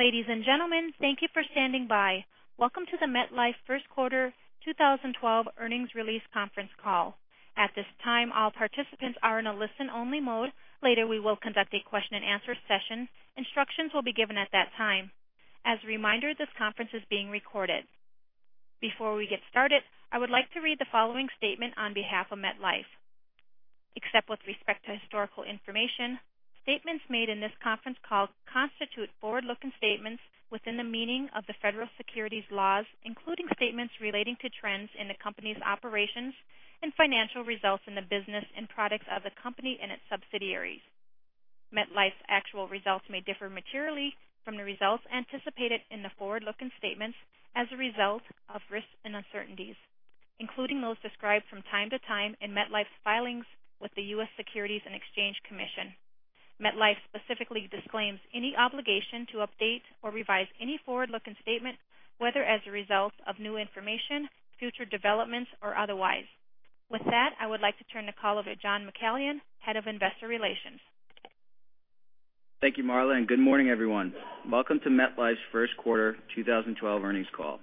Ladies and gentlemen, thank you for standing by. Welcome to the MetLife First Quarter 2012 Earnings Release Conference Call. At this time, all participants are in a listen-only mode. Later, we will conduct a question-and-answer session. Instructions will be given at that time. As a reminder, this conference is being recorded. Before we get started, I would like to read the following statement on behalf of MetLife. Except with respect to historical information, statements made in this conference call constitute forward-looking statements within the meaning of the federal securities laws, including statements relating to trends in the company's operations and financial results in the business and products of the company and its subsidiaries. MetLife's actual results may differ materially from the results anticipated in the forward-looking statements as a result of risks and uncertainties, including those described from time to time in MetLife's filings with the U.S. Securities and Exchange Commission. MetLife specifically disclaims any obligation to update or revise any forward-looking statement, whether as a result of new information, future developments, or otherwise. With that, I would like to turn the call over to John McCallion, Head of Investor Relations. Thank you, Marla. Good morning, everyone. Welcome to MetLife's First Quarter 2012 earnings call.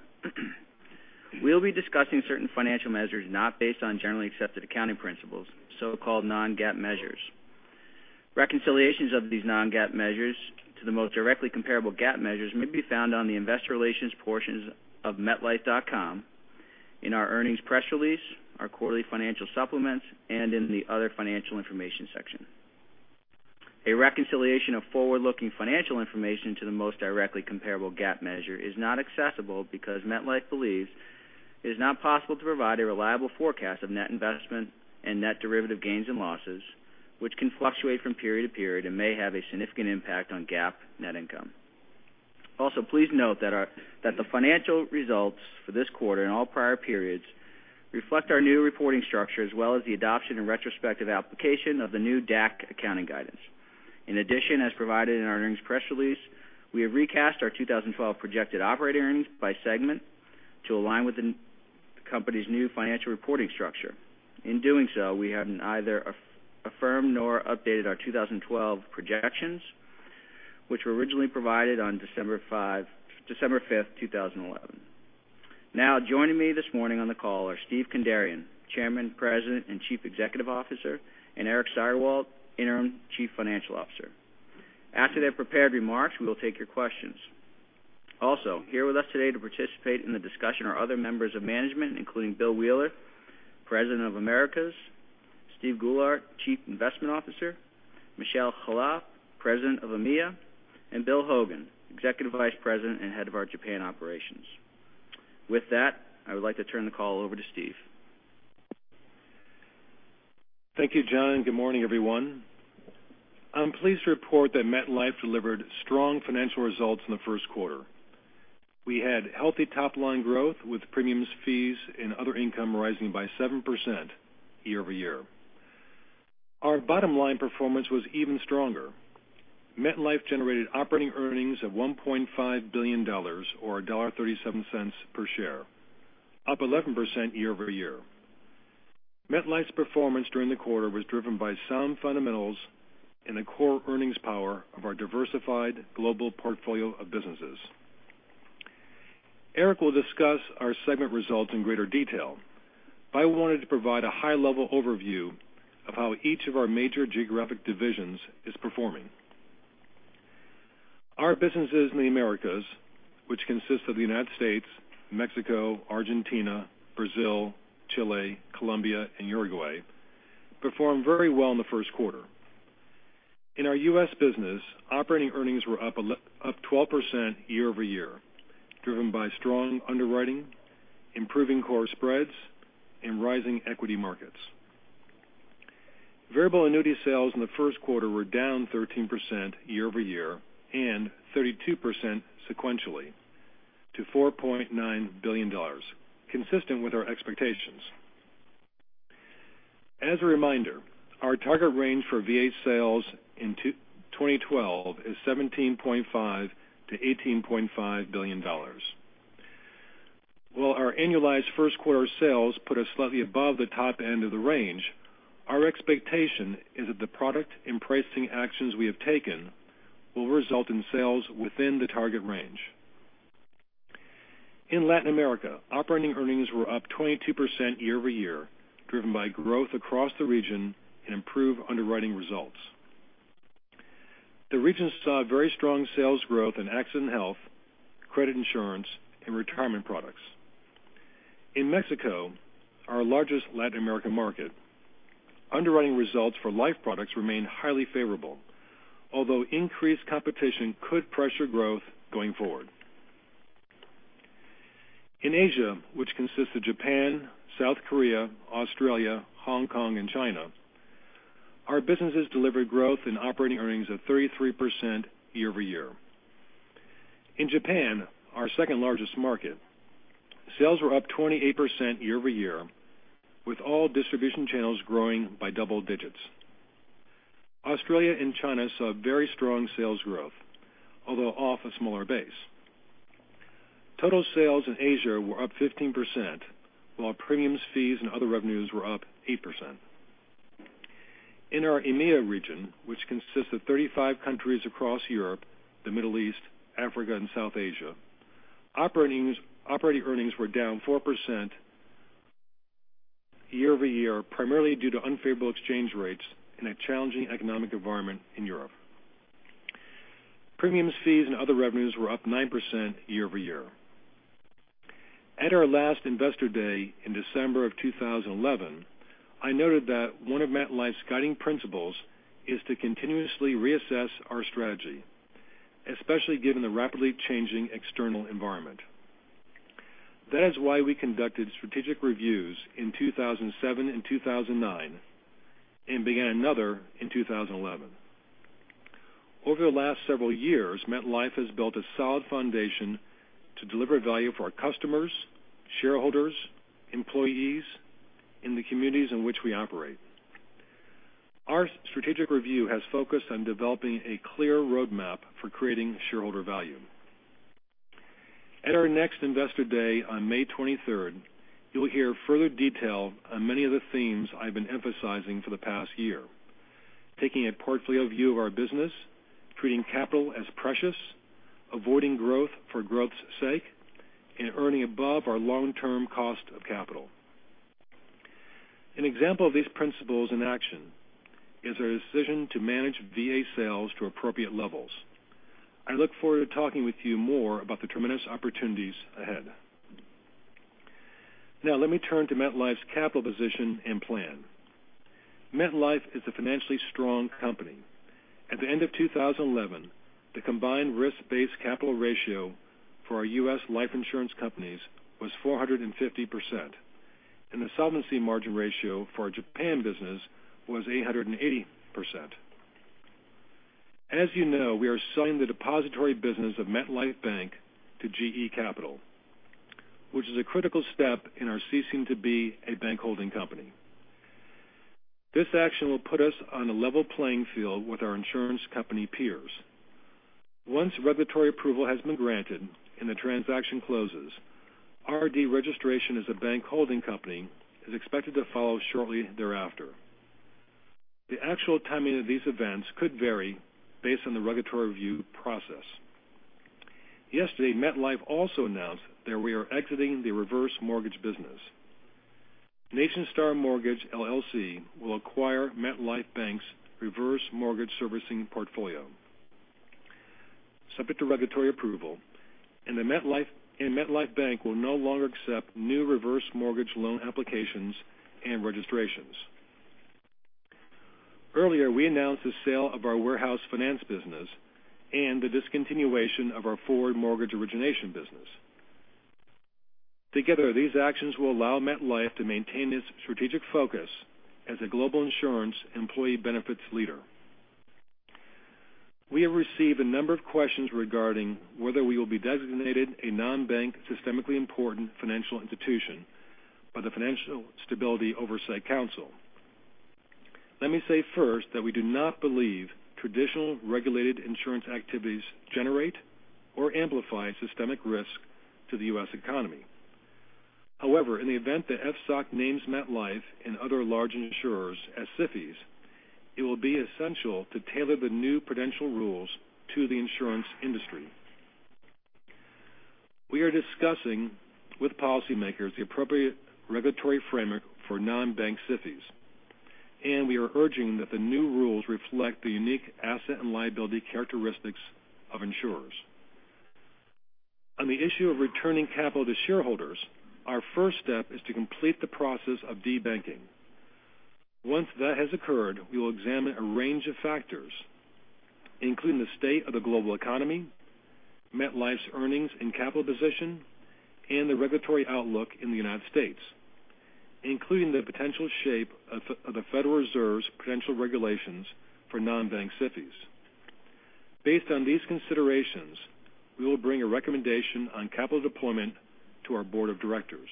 We'll be discussing certain financial measures not based on Generally Accepted Accounting Principles, so-called non-GAAP measures. Reconciliations of these non-GAAP measures to the most directly comparable GAAP measures may be found on the investor relations portions of metlife.com, in our earnings press release, our quarterly financial supplements, and in the other financial information section. A reconciliation of forward-looking financial information to the most directly comparable GAAP measure is not accessible because MetLife believes it is not possible to provide a reliable forecast of net investment and net derivative gains and losses, which can fluctuate from period to period and may have a significant impact on GAAP net income. Also, please note that the financial results for this quarter and all prior periods reflect our new reporting structure, as well as the adoption and retrospective application of the new DAC accounting guidance. In addition, as provided in our earnings press release, we have recast our 2012 projected operating earnings by segment to align with the company's new financial reporting structure. In doing so, we haven't either affirmed nor updated our 2012 projections, which were originally provided on December 5th, 2011. Joining me this morning on the call are Steve Kandarian, Chairman, President, and Chief Executive Officer, and Eric Steigerwalt, Interim Chief Financial Officer. After their prepared remarks, we will take your questions. Also here with us today to participate in the discussion are other members of management, including Bill Wheeler, President of The Americas, Steve Goulart, Chief Investment Officer, Michel Khalaf, President of EMEA, and Bill Hogan, Executive Vice President and Head of our Japan Operations. With that, I would like to turn the call over to Steve. Thank you, John. Good morning, everyone. I'm pleased to report that MetLife delivered strong financial results in the first quarter. We had healthy top-line growth with premiums, fees, and other income rising by 7% year-over-year. Our bottom-line performance was even stronger. MetLife generated operating earnings of $1.5 billion, or $1.37 per share, up 11% year-over-year. MetLife's performance during the quarter was driven by sound fundamentals in the core earnings power of our diversified global portfolio of businesses. Eric will discuss our segment results in greater detail, but I wanted to provide a high-level overview of how each of our major geographic divisions is performing. Our businesses in The Americas, which consist of the United States, Mexico, Argentina, Brazil, Chile, Colombia, and Uruguay, performed very well in the first quarter. In our U.S. business, operating earnings were up 12% year-over-year, driven by strong underwriting, improving core spreads, and rising equity markets. Variable annuity sales in the first quarter were down 13% year-over-year and 32% sequentially to $4.9 billion, consistent with our expectations. As a reminder, our target range for VA sales in 2012 is $17.5 billion-$18.5 billion. While our annualized first quarter sales put us slightly above the top end of the range, our expectation is that the product and pricing actions we have taken will result in sales within the target range. In Latin America, operating earnings were up 22% year-over-year, driven by growth across the region and improved underwriting results. The region saw very strong sales growth in Accident & Health, credit insurance, and retirement products. In Mexico, our largest Latin American market, underwriting results for life products remain highly favorable, although increased competition could pressure growth going forward. In Asia, which consists of Japan, South Korea, Australia, Hong Kong, and China, our businesses delivered growth in operating earnings of 33% year-over-year. In Japan, our second largest market, sales were up 28% year-over-year, with all distribution channels growing by double digits. Australia and China saw very strong sales growth, although off a smaller base. Total sales in Asia were up 15%, while premiums, fees, and other revenues were up 8%. In our EMEA region, which consists of 35 countries across Europe, the Middle East, Africa, and South Asia, operating earnings were down 4% year-over-year, primarily due to unfavorable exchange rates and a challenging economic environment in Europe. Premiums, fees, and other revenues were up 9% year-over-year. At our last Investor Day in December of 2011, I noted that one of MetLife's guiding principles is to continuously reassess our strategy, especially given the rapidly changing external environment. That is why we conducted strategic reviews in 2007 and 2009 and began another in 2011. Over the last several years, MetLife has built a solid foundation to deliver value for our customers, shareholders, employees, and the communities in which we operate. Our strategic review has focused on developing a clear roadmap for creating shareholder value. At our next Investor Day on May 23rd, you'll hear further detail on many of the themes I've been emphasizing for the past year. Taking a portfolio view of our business, treating capital as precious, avoiding growth for growth's sake, and earning above our long-term cost of capital. An example of these principles in action is our decision to manage VA sales to appropriate levels. I look forward to talking with you more about the tremendous opportunities ahead. Now let me turn to MetLife's capital position and plan. MetLife is a financially strong company. At the end of 2011, the combined risk-based capital ratio for our U.S. life insurance companies was 450%, and the solvency margin ratio for our Japan business was 880%. As you know, we are selling the depository business of MetLife Bank to GE Capital, which is a critical step in our ceasing to be a bank holding company. This action will put us on a level playing field with our insurance company peers. Once regulatory approval has been granted and the transaction closes, our de-registration as a bank holding company is expected to follow shortly thereafter. The actual timing of these events could vary based on the regulatory review process. Yesterday, MetLife also announced that we are exiting the reverse mortgage business. Nationstar Mortgage LLC will acquire MetLife Bank's reverse mortgage servicing portfolio, subject to regulatory approval, and MetLife Bank will no longer accept new reverse mortgage loan applications and registrations. Earlier, we announced the sale of our warehouse finance business and the discontinuation of our forward mortgage origination business. Together, these actions will allow MetLife to maintain its strategic focus as a global insurance employee benefits leader. We have received a number of questions regarding whether we will be designated a non-bank Systemically Important Financial Institution by the Financial Stability Oversight Council. Let me say first that we do not believe traditional regulated insurance activities generate or amplify systemic risk to the U.S. economy. However, in the event that FSOC names MetLife and other large insurers as SIFIs, it will be essential to tailor the new prudential rules to the insurance industry. We are discussing with policymakers the appropriate regulatory framework for non-bank SIFIs, and we are urging that the new rules reflect the unique asset and liability characteristics of insurers. On the issue of returning capital to shareholders, our first step is to complete the process of de-banking. Once that has occurred, we will examine a range of factors, including the state of the global economy, MetLife's earnings and capital position, and the regulatory outlook in the United States, including the potential shape of the Federal Reserve's potential regulations for non-bank SIFIs. Based on these considerations, we will bring a recommendation on capital deployment to our board of directors.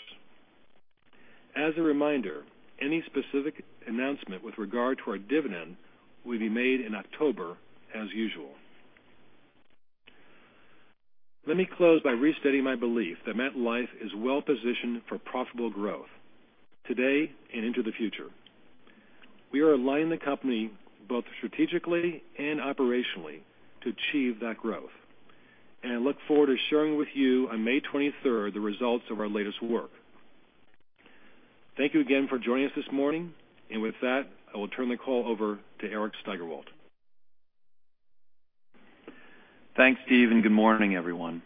As a reminder, any specific announcement with regard to our dividend will be made in October as usual. Let me close by restating my belief that MetLife is well positioned for profitable growth today and into the future. We are aligning the company both strategically and operationally to achieve that growth, and I look forward to sharing with you on May 23rd the results of our latest work. Thank you again for joining us this morning. With that, I will turn the call over to Eric Steigerwalt. Thanks, Steve. Good morning, everyone.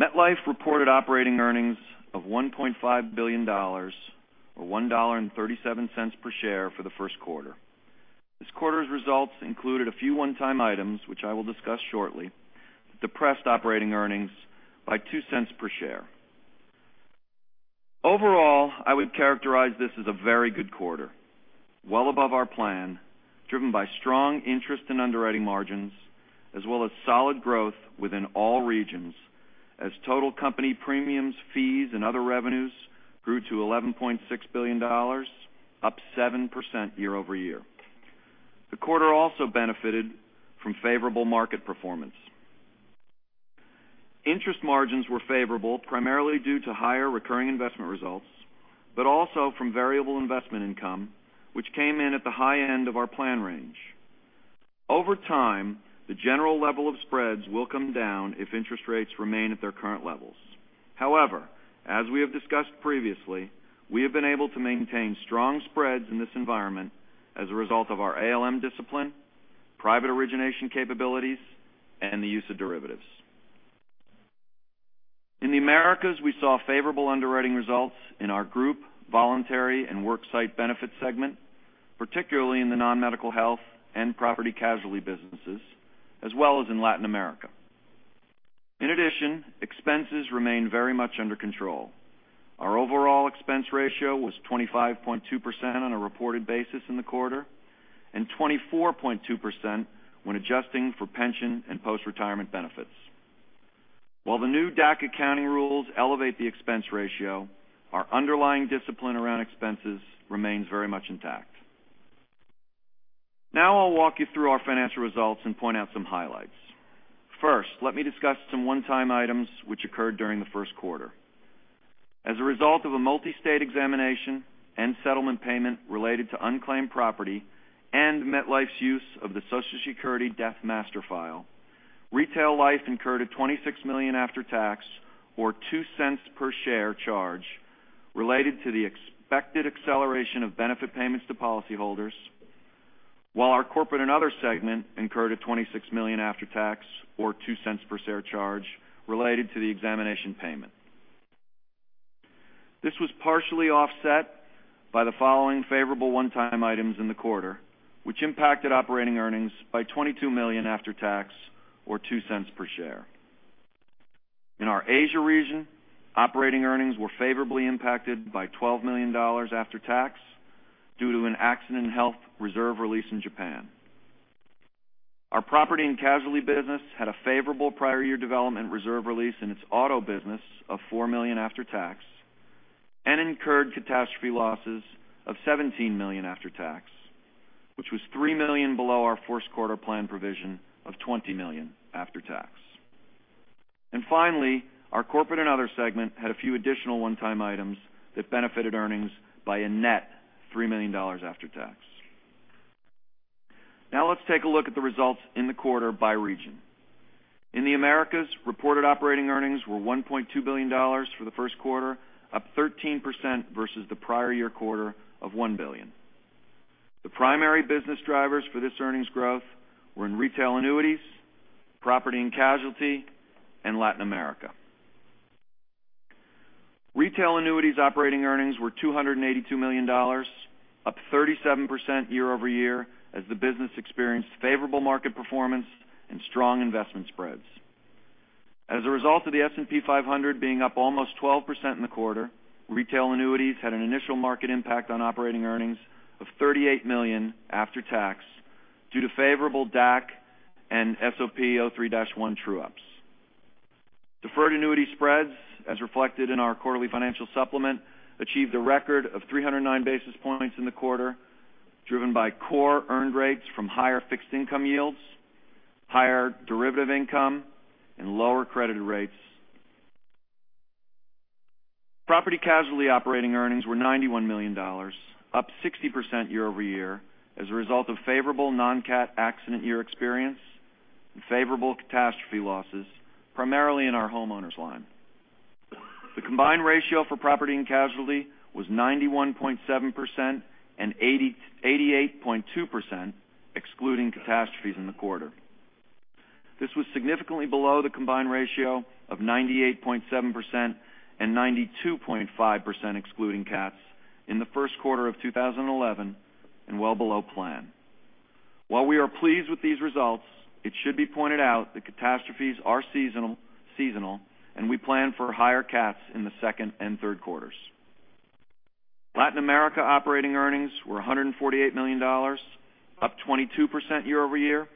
MetLife reported operating earnings of $1.5 billion, or $1.37 per share for the first quarter. This quarter's results included a few one-time items, which I will discuss shortly, that depressed operating earnings by $0.02 per share. Overall, I would characterize this as a very good quarter, well above our plan, driven by strong interest and underwriting margins, as well as solid growth within all regions as total company premiums, fees, and other revenues grew to $11.6 billion, up 7% year-over-year. The quarter also benefited from favorable market performance. Interest margins were favorable, primarily due to higher recurring investment results, but also from variable investment income, which came in at the high end of our plan range. Over time, the general level of spreads will come down if interest rates remain at their current levels. As we have discussed previously, we have been able to maintain strong spreads in this environment as a result of our ALM discipline, private origination capabilities, and the use of derivatives. In the Americas, we saw favorable underwriting results in our group, voluntary and worksite benefit segment, particularly in the non-medical health and property casualty businesses, as well as in Latin America. In addition, expenses remain very much under control. Our overall expense ratio was 25.2% on a reported basis in the quarter and 24.2% when adjusting for pension and post-retirement benefits. While the new DAC accounting rules elevate the expense ratio, our underlying discipline around expenses remains very much intact. I'll walk you through our financial results and point out some highlights. First, let me discuss some one-time items which occurred during the first quarter. As a result of a multi-state examination and settlement payment related to unclaimed property and MetLife's use of the Social Security Death Master File, retail life incurred a $26 million after-tax, or $0.02 per share charge, related to the expected acceleration of benefit payments to policyholders, while our corporate and other segment incurred a $26 million after-tax or $0.02 per share charge related to the examination payment. This was partially offset by the following favorable one-time items in the quarter, which impacted operating earnings by $22 million after tax, or $0.02 per share. In our Asia region, operating earnings were favorably impacted by $12 million after tax due to an Accident & Health reserve release in Japan. Our property and casualty business had a favorable prior year development reserve release in its auto business of $4 million after tax and incurred catastrophe losses of $17 million after tax, which was $3 million below our first quarter plan provision of $20 million after tax. Finally, our corporate and other segment had a few additional one-time items that benefited earnings by a net $3 million after tax. Let's take a look at the results in the quarter by region. In the Americas, reported operating earnings were $1.2 billion for the first quarter, up 13% versus the prior year quarter of $1 billion. The primary business drivers for this earnings growth were in retail annuities, property and casualty, and Latin America. Retail annuities operating earnings were $282 million, up 37% year-over-year as the business experienced favorable market performance and strong investment spreads. As a result of the S&P 500 being up almost 12% in the quarter, retail annuities had an initial market impact on operating earnings of $38 million after tax due to favorable DAC and SOP 03-1 true-ups. Deferred annuity spreads, as reflected in our quarterly financial supplement, achieved a record of 309 basis points in the quarter, driven by core earned rates from higher fixed income yields, higher derivative income, and lower credited rates. Property casualty operating earnings were $91 million, up 60% year-over-year as a result of favorable non-CAT accident year experience and favorable catastrophe losses, primarily in our homeowners line. The combined ratio for property and casualty was 91.7% and 88.2%, excluding catastrophes in the quarter. This was significantly below the combined ratio of 98.7% and 92.5%, excluding CATs, in the first quarter of 2011, and well below plan. While we are pleased with these results, it should be pointed out that catastrophes are seasonal. We plan for higher CATs in the second and third quarters. Latin America operating earnings were $148 million, up 22% year-over-year.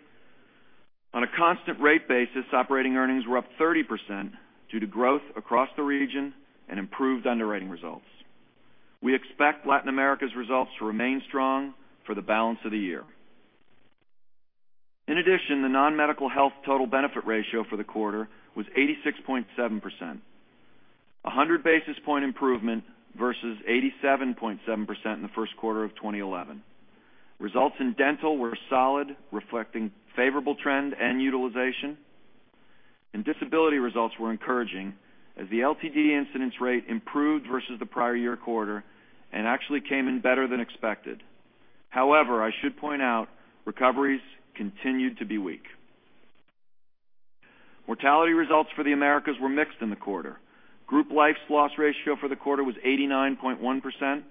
On a constant rate basis, operating earnings were up 30% due to growth across the region and improved underwriting results. We expect Latin America's results to remain strong for the balance of the year. In addition, the non-medical health total benefit ratio for the quarter was 86.7%, a 100-basis point improvement versus 87.7% in the first quarter of 2011. Results in dental were solid, reflecting favorable trend and utilization. Disability results were encouraging as the LTD incidence rate improved versus the prior year quarter and actually came in better than expected. However, I should point out, recoveries continued to be weak. Mortality results for the Americas were mixed in the quarter. Group life's loss ratio for the quarter was 89.1%,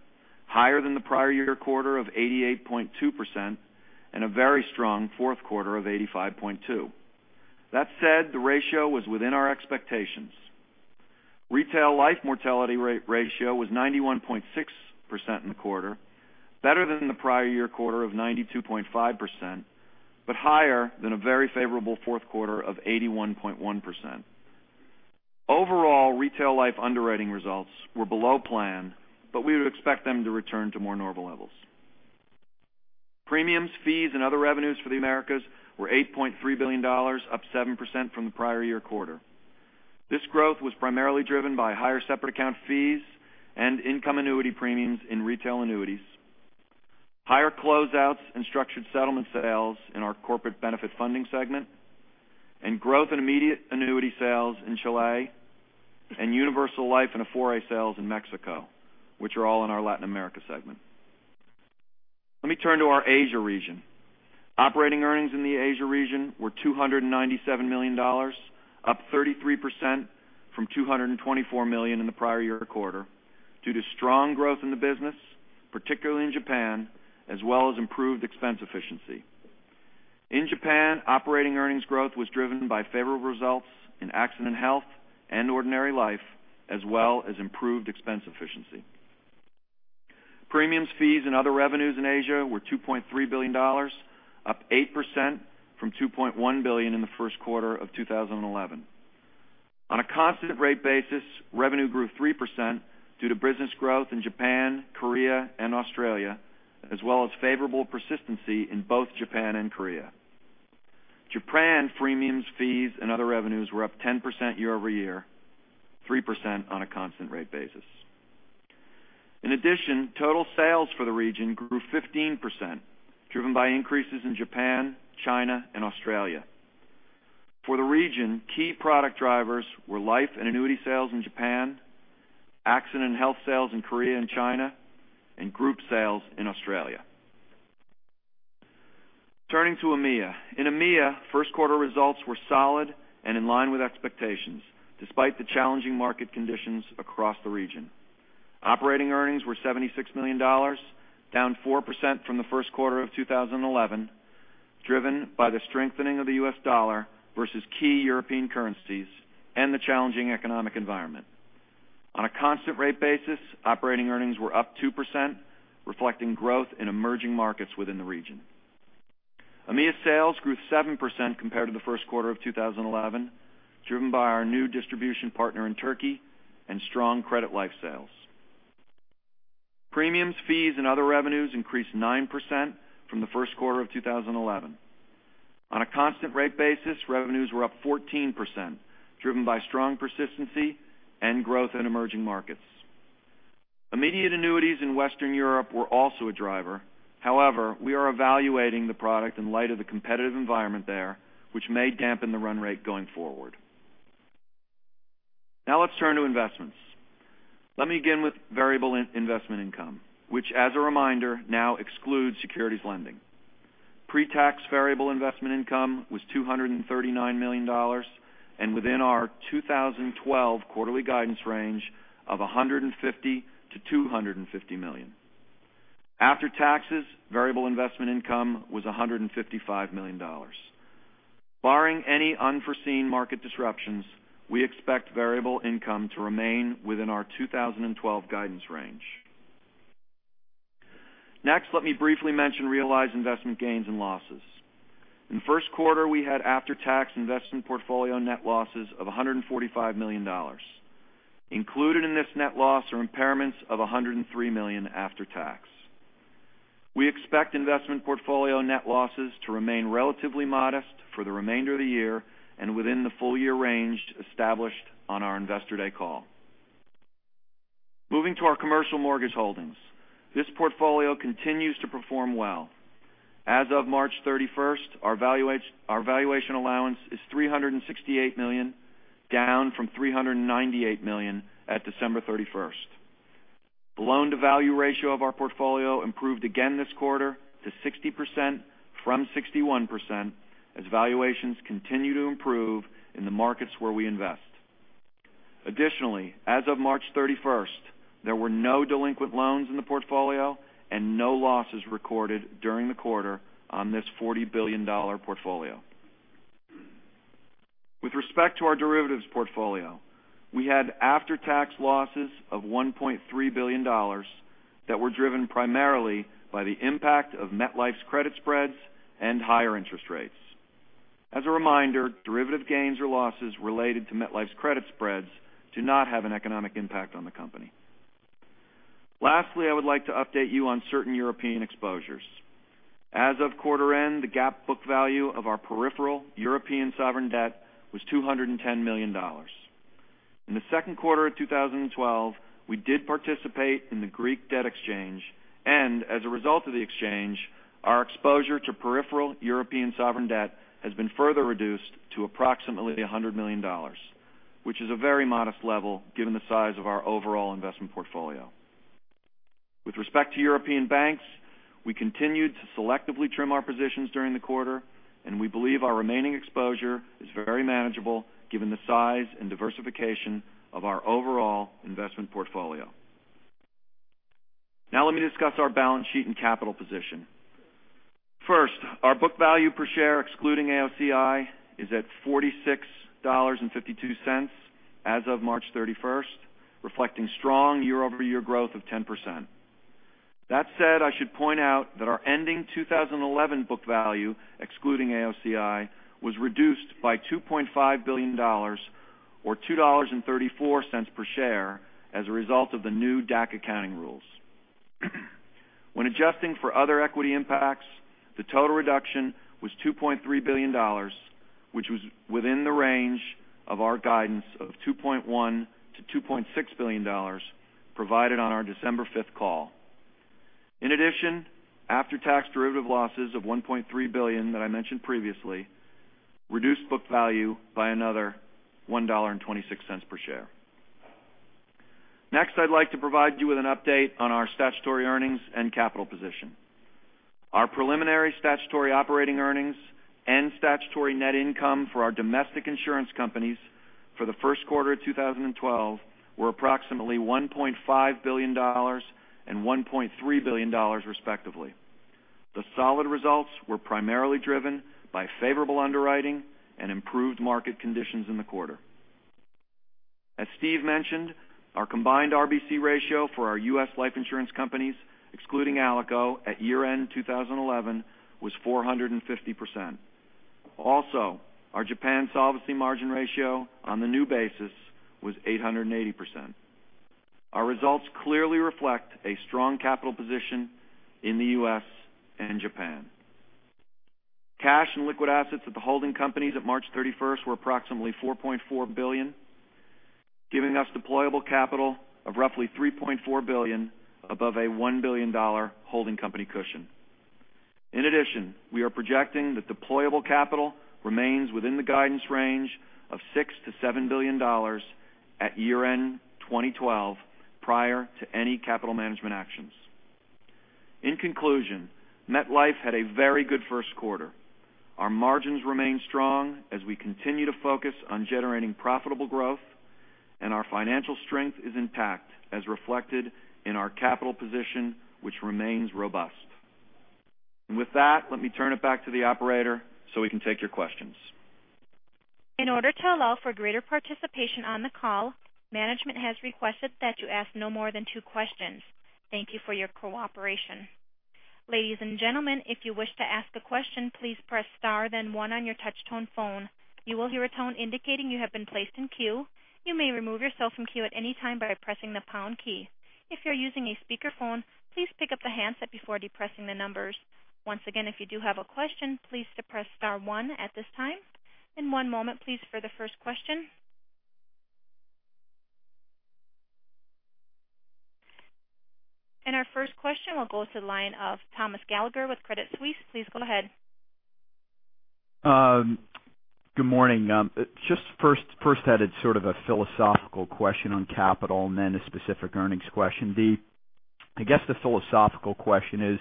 higher than the prior year quarter of 88.2% and a very strong fourth quarter of 85.2%. That said, the ratio was within our expectations. Retail life mortality ratio was 91.6% in the quarter, better than the prior year quarter of 92.5%, but higher than a very favorable fourth quarter of 81.1%. Overall, Retail Life underwriting results were below plan. We would expect them to return to more normal levels. Premiums, fees, and other revenues for the Americas were $8.3 billion, up 7% from the prior year quarter. This growth was primarily driven by higher separate account fees and income annuity premiums in retail annuities, higher closeouts and structured settlement sales in our Corporate Benefit Funding segment, and growth in immediate annuity sales in Chile, and Universal Life and Afore sales in Mexico, which are all in our Latin America segment. Let me turn to our Asia region. Operating earnings in the Asia region were $297 million, up 33% from $224 million in the prior year quarter due to strong growth in the business, particularly in Japan, as well as improved expense efficiency. In Japan, operating earnings growth was driven by favorable results in Accident Health and ordinary life, as well as improved expense efficiency. Premiums, fees, and other revenues in Asia were $2.3 billion, up 8% from $2.1 billion in the first quarter of 2011. On a constant rate basis, revenue grew 3% due to business growth in Japan, Korea, and Australia, as well as favorable persistency in both Japan and Korea. Japan premiums, fees, and other revenues were up 10% year-over-year, 3% on a constant rate basis. In addition, total sales for the region grew 15%, driven by increases in Japan, China, and Australia. For the region, key product drivers were life and annuity sales in Japan, Accident Health sales in Korea and China, and group sales in Australia. Turning to EMEA. In EMEA, first quarter results were solid and in line with expectations, despite the challenging market conditions across the region. Operating earnings were $76 million, down 4% from the first quarter of 2011, driven by the strengthening of the U.S. dollar versus key European currencies and the challenging economic environment. On a constant rate basis, operating earnings were up 2%, reflecting growth in emerging markets within the region. EMEA sales grew 7% compared to the first quarter of 2011, driven by our new distribution partner in Turkey and strong credit life sales. Premiums, fees, and other revenues increased 9% from the first quarter of 2011. On a constant rate basis, revenues were up 14%, driven by strong persistency and growth in emerging markets. Immediate annuities in Western Europe were also a driver. However, we are evaluating the product in light of the competitive environment there, which may dampen the run rate going forward. Let's turn to investments. Let me begin with variable investment income, which as a reminder, now excludes securities lending. Pre-tax variable investment income was $239 million and within our 2012 quarterly guidance range of $150 million to $250 million. After taxes, variable investment income was $155 million. Barring any unforeseen market disruptions, we expect variable income to remain within our 2012 guidance range. Let me briefly mention realized investment gains and losses. In the first quarter, we had after-tax investment portfolio net losses of $145 million. Included in this net loss are impairments of $103 million after tax. We expect investment portfolio net losses to remain relatively modest for the remainder of the year and within the full-year range established on our Investor Day call. Moving to our commercial mortgage holdings. This portfolio continues to perform well. As of March 31st, our valuation allowance is $368 million, down from $398 million at December 31st. The loan-to-value ratio of our portfolio improved again this quarter to 60% from 61% as valuations continue to improve in the markets where we invest. Additionally, as of March 31st, there were no delinquent loans in the portfolio and no losses recorded during the quarter on this $40 billion portfolio. With respect to our derivatives portfolio, we had after-tax losses of $1.3 billion that were driven primarily by the impact of MetLife's credit spreads and higher interest rates. As a reminder, derivative gains or losses related to MetLife's credit spreads do not have an economic impact on the company. Lastly, I would like to update you on certain European exposures. As of quarter end, the GAAP book value of our peripheral European sovereign debt was $210 million. In the second quarter of 2012, we did participate in the Greek debt exchange, and as a result of the exchange, our exposure to peripheral European sovereign debt has been further reduced to approximately $100 million, which is a very modest level given the size of our overall investment portfolio. With respect to European banks, we continued to selectively trim our positions during the quarter, and we believe our remaining exposure is very manageable given the size and diversification of our overall investment portfolio. Now let me discuss our balance sheet and capital position. First, our book value per share, excluding AOCI, is at $46.52 as of March 31st, reflecting strong year-over-year growth of 10%. That said, I should point out that our ending 2011 book value, excluding AOCI, was reduced by $2.5 billion, or $2.34 per share as a result of the new DAC accounting rules. When adjusting for other equity impacts, the total reduction was $2.3 billion, which was within the range of our guidance of $2.1 billion-$2.6 billion provided on our December 5th call. In addition, after-tax derivative losses of $1.3 billion that I mentioned previously reduced book value by another $1.26 per share. Next, I'd like to provide you with an update on our statutory earnings and capital position. Our preliminary statutory operating earnings and statutory net income for our domestic insurance companies for the first quarter of 2012 were approximately $1.5 billion and $1.3 billion, respectively. The solid results were primarily driven by favorable underwriting and improved market conditions in the quarter. As Steve mentioned, our combined RBC ratio for our U.S. life insurance companies, excluding ALICO at year-end 2011, was 450%. Also, our Japan solvency margin ratio on the new basis was 880%. Our results clearly reflect a strong capital position in the U.S. and Japan. Cash and liquid assets at the holding companies at March 31st were approximately $4.4 billion, giving us deployable capital of roughly $3.4 billion above a $1 billion holding company cushion. In addition, we are projecting that deployable capital remains within the guidance range of $6 billion-$7 billion at year-end 2012, prior to any capital management actions. In conclusion, MetLife had a very good first quarter. Our margins remain strong as we continue to focus on generating profitable growth, and our financial strength is intact, as reflected in our capital position, which remains robust. With that, let me turn it back to the operator so we can take your questions. In order to allow for greater participation on the call, management has requested that you ask no more than two questions. Thank you for your cooperation. Ladies and gentlemen, if you wish to ask a question, please press star then one on your touch tone phone. You will hear a tone indicating you have been placed in queue. You may remove yourself from queue at any time by pressing the pound key. If you're using a speakerphone, please pick up the handset before depressing the numbers. Once again, if you do have a question, please depress star one at this time. One moment please for the first question. Our first question will go to the line of Thomas Gallagher with Credit Suisse. Please go ahead. Good morning. Just first had a sort of philosophical question on capital and then a specific earnings question. I guess the philosophical question is,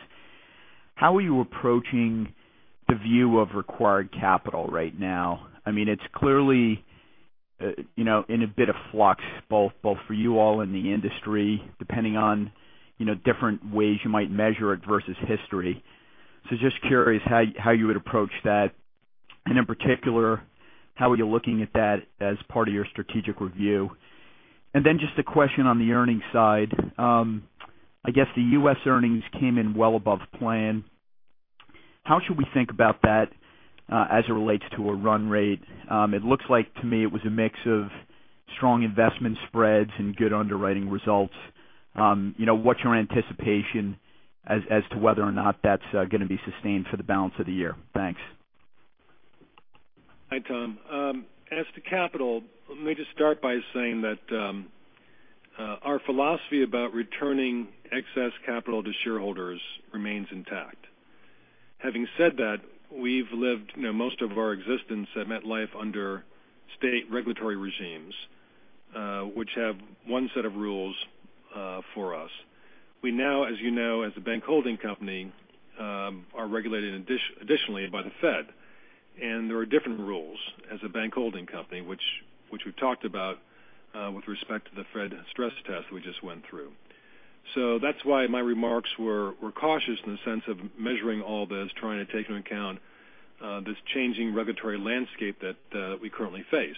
how are you approaching the view of required capital right now? It's clearly in a bit of flux, both for you all and the industry, depending on different ways you might measure it versus history. Just curious how you would approach that, and in particular, how are you looking at that as part of your strategic review? Just a question on the earnings side. I guess the U.S. earnings came in well above plan. How should we think about that as it relates to a run rate? It looks like to me it was a mix of strong investment spreads and good underwriting results. What's your anticipation as to whether or not that's going to be sustained for the balance of the year? Thanks. Hi, Tom. As to capital, let me just start by saying that our philosophy about returning excess capital to shareholders remains intact. Having said that, we've lived most of our existence at MetLife under state regulatory regimes, which have one set of rules for us. We now, as you know, as a bank holding company, are regulated additionally by the Fed, and there are different rules as a bank holding company, which we've talked about with respect to the Fed stress test we just went through. That's why my remarks were cautious in the sense of measuring all this, trying to take into account this changing regulatory landscape that we currently face.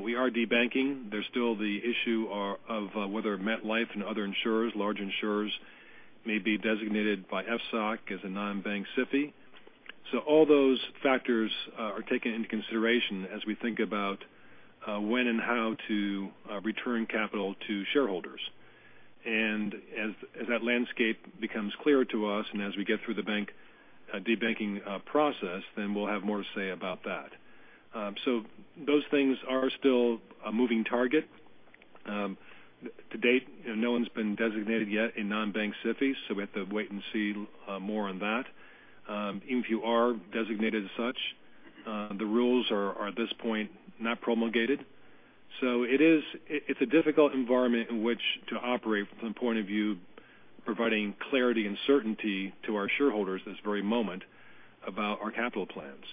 We are debanking. There's still the issue of whether MetLife and other insurers, large insurers, may be designated by FSOC as a non-bank SIFI. All those factors are taken into consideration as we think about when and how to return capital to shareholders. As that landscape becomes clearer to us and as we get through the debanking process, we'll have more to say about that. Those things are still a moving target. To date, no one's been designated yet in non-bank SIFI, we have to wait and see more on that. Even if you are designated as such, the rules are at this point not promulgated. It's a difficult environment in which to operate from the point of view providing clarity and certainty to our shareholders this very moment about our capital plans.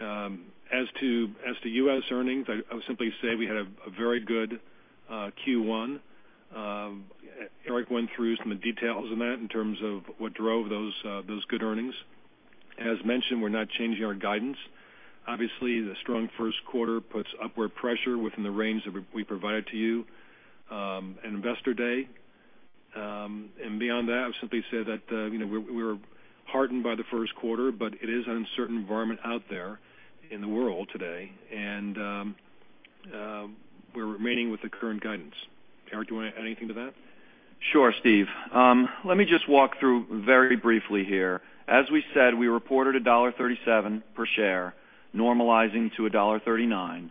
As to U.S. earnings, I would simply say we had a very good Q1. Eric went through some of the details on that in terms of what drove those good earnings. As mentioned, we're not changing our guidance. Obviously, the strong first quarter puts upward pressure within the range that we provided to you in Investor Day. Beyond that, I would simply say that we were heartened by the first quarter, it is an uncertain environment out there in the world today, and we're remaining with the current guidance. Eric, do you want to add anything to that? Sure, Steve. Let me just walk through very briefly here. As we said, we reported $1.37 per share, normalizing to $1.39.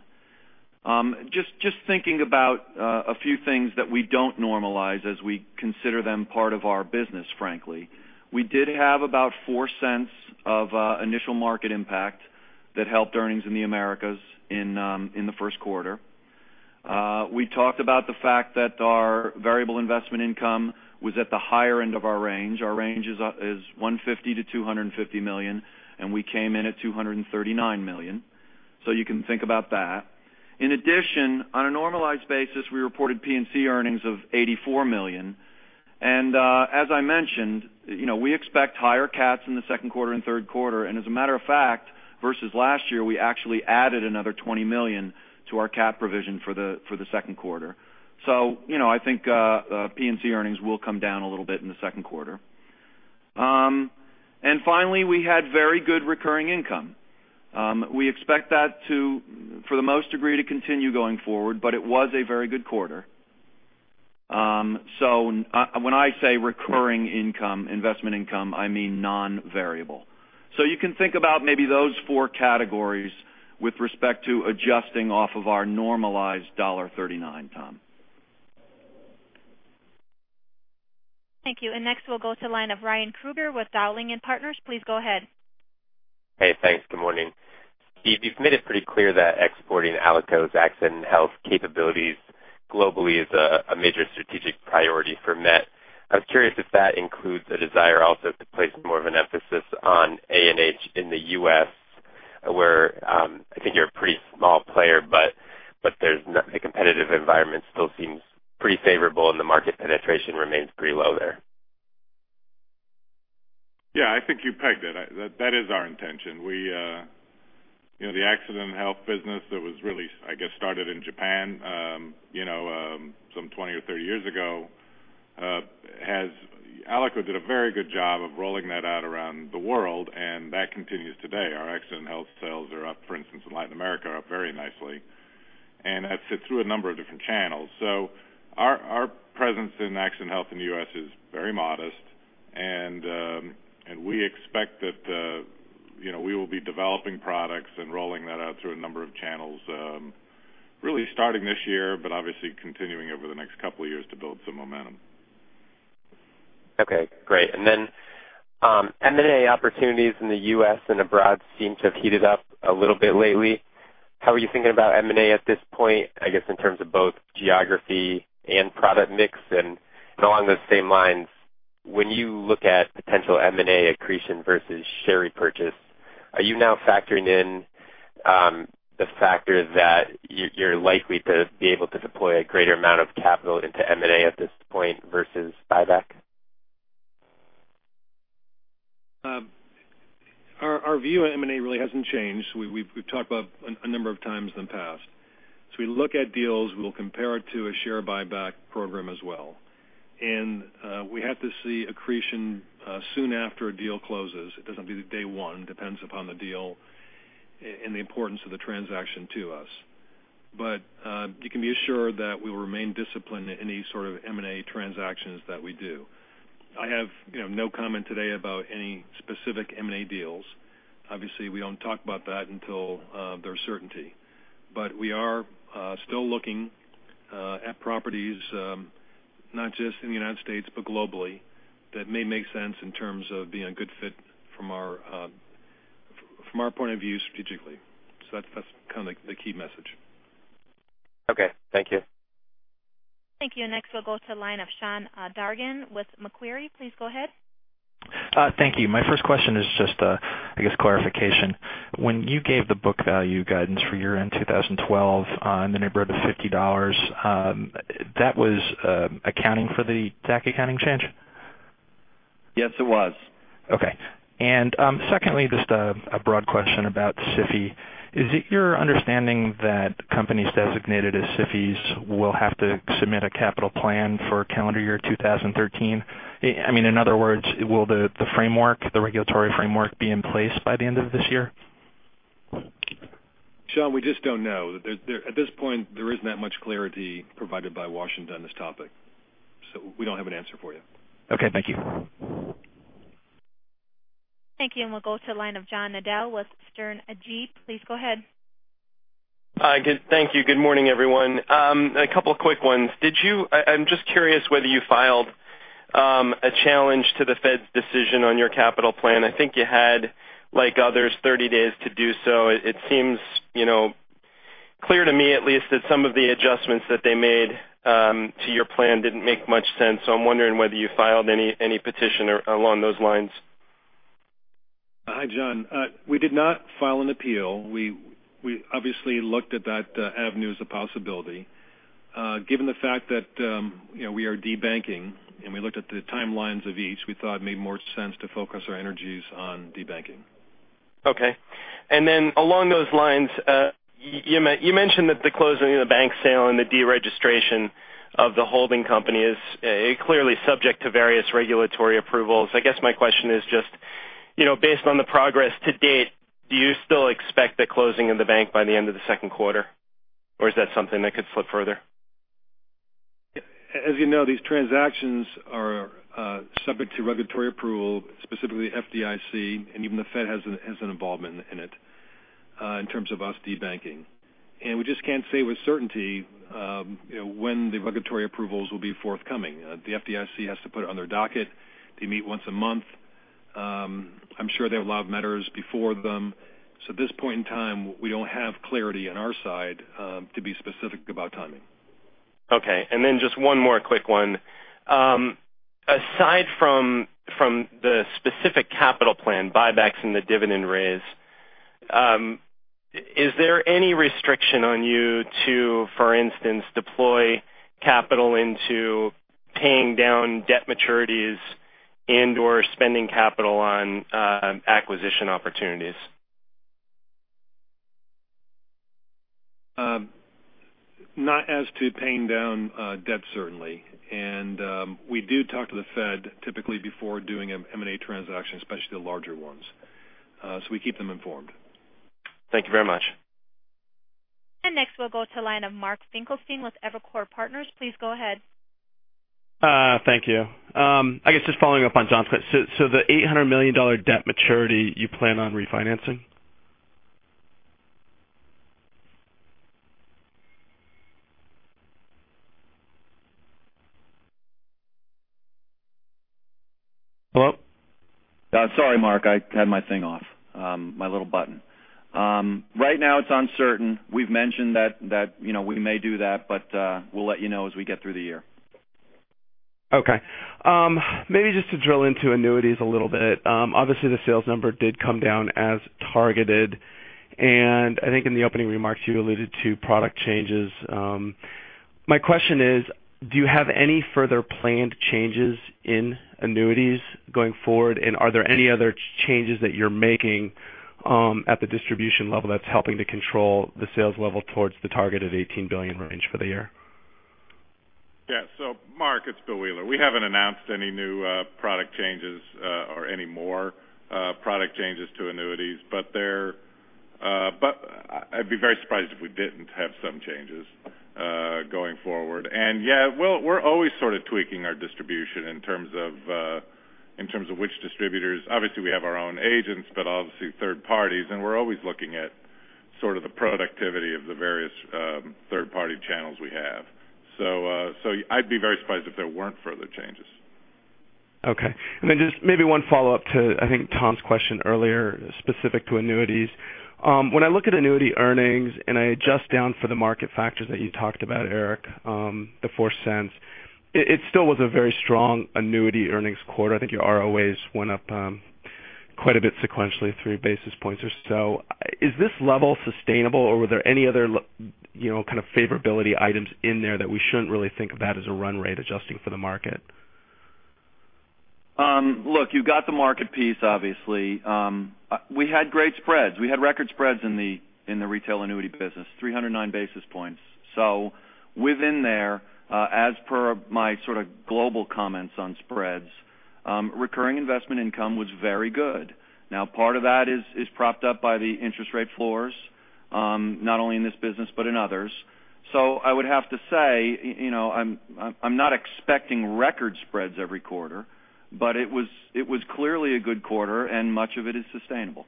Just thinking about a few things that we don't normalize as we consider them part of our business, frankly. We did have about $0.04 of initial market impact that helped earnings in the Americas in the first quarter. We talked about the fact that our variable investment income was at the higher end of our range. Our range is $150 million-$250 million, and we came in at $239 million. You can think about that. In addition, on a normalized basis, we reported P&C earnings of $84 million. As I mentioned, we expect higher CATs in the second quarter and third quarter. As a matter of fact, versus last year, we actually added another $20 million to our CAT provision for the second quarter. I think P&C earnings will come down a little bit in the second quarter. Finally, we had very good recurring income. We expect that to, for the most degree, to continue going forward, it was a very good quarter. When I say recurring income, investment income, I mean non-variable. You can think about maybe those four categories with respect to adjusting off of our normalized $1.39, Tom. Thank you. Next we'll go to the line of Ryan Krueger with Dowling & Partners. Please go ahead. Hey, thanks. Good morning. Steve, you've made it pretty clear that exporting ALICO's accident health capabilities globally is a major strategic priority for Met. I was curious if that includes a desire also to place more of an emphasis on A&H in the U.S., where I think you're a pretty small player, but the competitive environment still seems pretty favorable and the market penetration remains pretty low there. Yeah, I think you pegged it. That is our intention. The accident health business that was really, I guess, started in Japan some 20 or 30 years ago, ALICO did a very good job of rolling that out around the world, and that continues today. Our accident health sales are up, for instance, in Latin America, are up very nicely, and that's through a number of different channels. Our presence in accident health in the U.S. is very modest, and we expect that we will be developing products and rolling that out through a number of channels, really starting this year, but obviously continuing over the next couple of years to build some momentum. Okay, great. M&A opportunities in the U.S. and abroad seem to have heated up a little bit lately. How are you thinking about M&A at this point, I guess, in terms of both geography and product mix? Along those same lines, when you look at potential M&A accretion versus share repurchase, are you now factoring in the factor that you're likely to be able to deploy a greater amount of capital into M&A at this point versus buyback? Our view on M&A really hasn't changed. We've talked about a number of times in the past. We look at deals, we will compare it to a share buyback program as well. We have to see accretion soon after a deal closes. It doesn't have to be day one, depends upon the deal and the importance of the transaction to us. You can be assured that we will remain disciplined in any sort of M&A transactions that we do. I have no comment today about any specific M&A deals. Obviously, we don't talk about that until there's certainty. We are still looking at properties, not just in the United States, but globally that may make sense in terms of being a good fit from our point of view strategically. That's kind of the key message. Okay. Thank you. Thank you. Next, we'll go to the line of Sean Dargan with Macquarie. Please go ahead. Thank you. My first question is just, I guess, clarification. When you gave the book value guidance for year-end 2012 on the neighborhood of $50, that was accounting for the DAC accounting change? Yes, it was. Okay. Secondly, just a broad question about SIFI. Is it your understanding that companies designated as SIFI will have to submit a capital plan for calendar year 2013? In other words, will the regulatory framework be in place by the end of this year? Sean, we just don't know. At this point, there isn't that much clarity provided by Washington on this topic. We don't have an answer for you. Okay. Thank you. Thank you. We'll go to the line of John Nadel with Sterne Agee. Please go ahead. Thank you. Good morning, everyone. A couple of quick ones. I'm just curious whether you filed a challenge to the Fed's decision on your capital plan. I think you had, like others, 30 days to do so. It seems clear to me at least that some of the adjustments that they made to your plan didn't make much sense. I'm wondering whether you filed any petition along those lines. Hi, John. We did not file an appeal. We obviously looked at that avenue as a possibility. Given the fact that we are debanking, and we looked at the timelines of each, we thought it made more sense to focus our energies on debanking. Okay. Along those lines, you mentioned that the closing of the bank sale and the deregistration of the holding company is clearly subject to various regulatory approvals. I guess my question is just based on the progress to date, do you still expect the closing of the bank by the end of the second quarter or is that something that could slip further? As you know, these transactions are subject to regulatory approval, specifically FDIC, and even the Fed has an involvement in it, in terms of us debanking. We just can't say with certainty when the regulatory approvals will be forthcoming. The FDIC has to put it on their docket. They meet once a month. I'm sure they have a lot of matters before them. At this point in time, we don't have clarity on our side to be specific about timing. Okay, just one more quick one. Aside from the specific capital plan buybacks and the dividend raise, is there any restriction on you to, for instance, deploy capital into paying down debt maturities and/or spending capital on acquisition opportunities? Not as to paying down debt, certainly. We do talk to the Fed typically before doing an M&A transaction, especially the larger ones. We keep them informed. Thank you very much. Next, we'll go to line of Mark Finkelstein with Evercore Partners. Please go ahead. Thank you. I guess just following up on John's question. The $800 million debt maturity, you plan on refinancing? Hello? Sorry, Mark, I had my thing off, my little button. Right now, it's uncertain. We've mentioned that we may do that, but we'll let you know as we get through the year. Okay. Maybe just to drill into annuities a little bit. Obviously, the sales number did come down as targeted. I think in the opening remarks you alluded to product changes. My question is, do you have any further planned changes in annuities going forward, and are there any other changes that you're making at the distribution level that's helping to control the sales level towards the target of $18 billion range for the year? Yeah. Mark, it's Bill Wheeler. We haven't announced any new product changes or any more product changes to annuities, but I'd be very surprised if we didn't have some changes going forward. Yeah, we're always sort of tweaking our distribution in terms of which distributors. Obviously, we have our own agents, but obviously third parties, and we're always looking at sort of the productivity of the various third-party channels we have. I'd be very surprised if there weren't further changes. Okay. Just maybe one follow-up to, I think, Tom's question earlier, specific to annuities. When I look at annuity earnings and I adjust down for the market factors that you talked about, Eric, the $0.04, it still was a very strong annuity earnings quarter. I think your ROA went up quite a bit sequentially, three basis points or so. Is this level sustainable or were there any other kind of favorability items in there that we shouldn't really think about as a run rate adjusting for the market? Look, you got the market piece, obviously. We had great spreads. We had record spreads in the retail annuity business, 309 basis points. Within there, as per my sort of global comments on spreads, recurring investment income was very good. Part of that is propped up by the interest rate floors, not only in this business but in others. I would have to say, I'm not expecting record spreads every quarter, but it was clearly a good quarter and much of it is sustainable.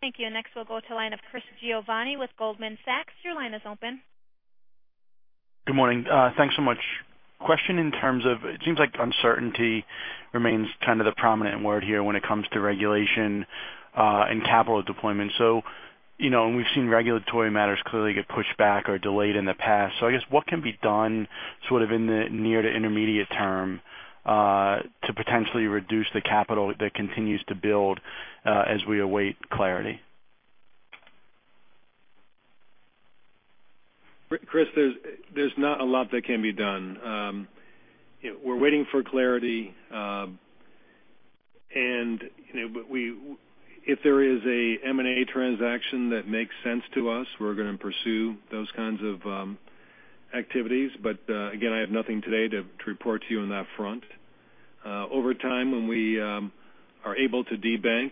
Thank you. Next, we'll go to line of Chris Giovanni with Goldman Sachs. Your line is open. Good morning. Thanks so much. Question in terms of, it seems like uncertainty remains kind of the prominent word here when it comes to regulation and capital deployment. We've seen regulatory matters clearly get pushed back or delayed in the past. I guess what can be done sort of in the near to intermediate term to potentially reduce the capital that continues to build as we await clarity? Chris, there's not a lot that can be done. We're waiting for clarity. If there is an M&A transaction that makes sense to us, we're going to pursue those kinds of activities. Again, I have nothing today to report to you on that front. Over time, when we are able to debank,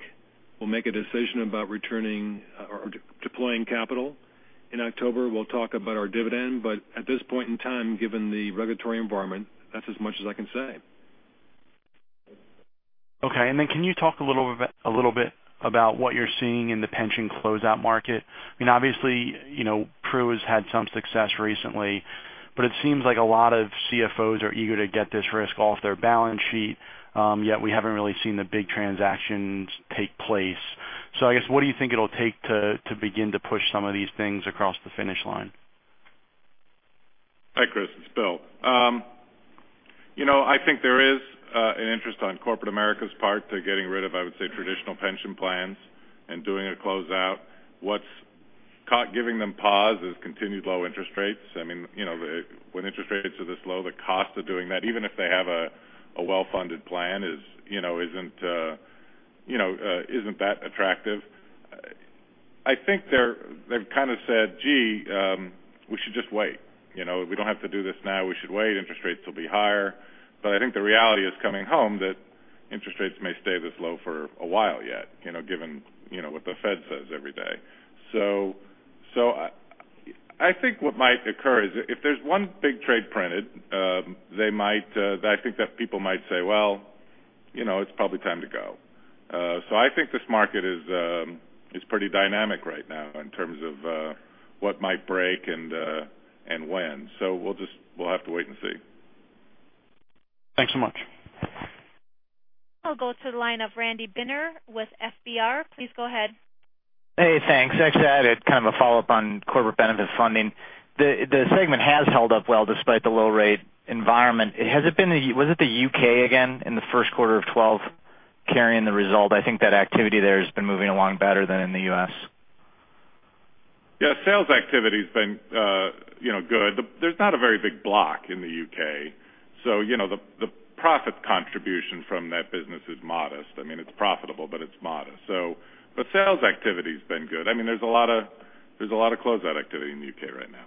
we'll make a decision about deploying capital. In October, we'll talk about our dividend. At this point in time, given the regulatory environment, that's as much as I can say. Okay. Can you talk a little bit about what you're seeing in the pension closeout market? Obviously, Pru has had some success recently, but it seems like a lot of CFOs are eager to get this risk off their balance sheet. We haven't really seen the big transactions take place. I guess, what do you think it'll take to begin to push some of these things across the finish line? Hi, Chris, it's Bill. I think there is an interest on corporate America's part to getting rid of, I would say, traditional pension plans and doing a closeout. What's giving them pause is continued low interest rates. When interest rates are this low, the cost of doing that, even if they have a well-funded plan isn't that attractive. I think they've said, "Gee, we should just wait. We don't have to do this now. We should wait. Interest rates will be higher." I think the reality is coming home that interest rates may stay this low for a while yet, given what the Fed says every day. I think what might occur is if there's one big trade printed, I think that people might say, "Well, it's probably time to go." I think this market is pretty dynamic right now in terms of what might break and when. We'll have to wait and see. Thanks so much. I'll go to the line of Randy Binner with FBR. Please go ahead. Hey, thanks. Actually, I had kind of a follow-up on corporate benefit funding. The segment has held up well despite the low rate environment. Was it the U.K. again in the first quarter of 2012 carrying the result? I think that activity there has been moving along better than in the U.S. Yeah, sales activity has been good. There's not a very big block in the U.K. The profit contribution from that business is modest. It's profitable, but it's modest. Sales activity has been good. There's a lot of closeout activity in the U.K. right now.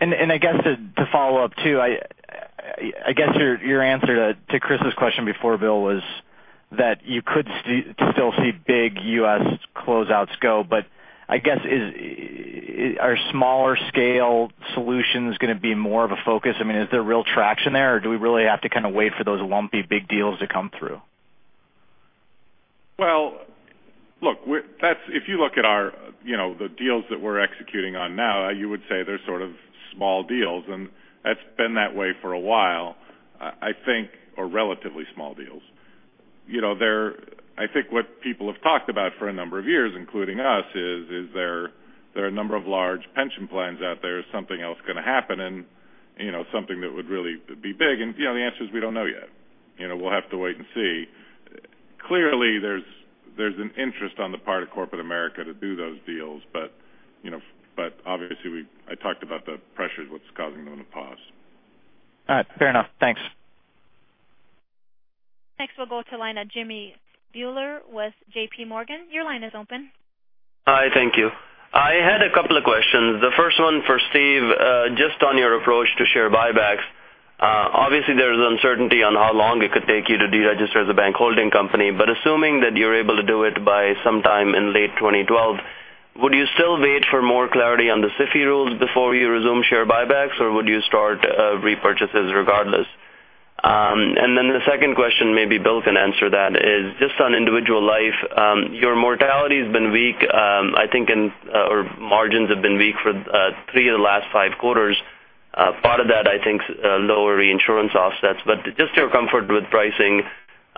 I guess to follow up, too, I guess your answer to Chris's question before, Bill, was that you could still see big U.S. closeouts go, but I guess are smaller scale solutions going to be more of a focus? Is there real traction there, or do we really have to kind of wait for those lumpy big deals to come through? Well, look, if you look at the deals that we're executing on now, you would say they're sort of small deals, and that's been that way for a while, I think, or relatively small deals. I think what people have talked about for a number of years, including us, is there are a number of large pension plans out there. Is something else going to happen and something that would really be big? The answer is we don't know yet. We'll have to wait and see. Clearly, there's an interest on the part of corporate America to do those deals, but obviously, I talked about the pressures, what's causing them to pause. All right, fair enough. Thanks. Next, we'll go to the line of Jimmy Bhullar with JPMorgan. Your line is open. Hi, thank you. I had a couple of questions. The first one for Steve, just on your approach to share buybacks. Obviously, there is uncertainty on how long it could take you to deregister as a bank holding company. Assuming that you're able to do it by sometime in late 2012, would you still wait for more clarity on the SIFI rules before you resume share buybacks, or would you start repurchases regardless? The second question, maybe Bill can answer that, is just on individual life. Your mortality has been weak, I think, or margins have been weak for three of the last five quarters. Part of that, I think, is lower reinsurance offsets. Just your comfort with pricing